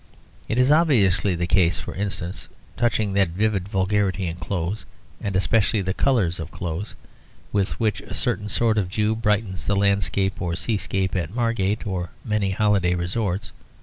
It is obviously the case, for instance, touching that vivid vulgarity in clothes, and especially the colours of clothes, with which a certain sort of Jews brighten the landscape or seascape at Margate or many holiday resorts.